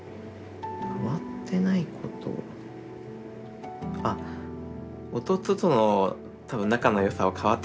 変わってないことあっ弟との多分仲のよさは変わってないですね。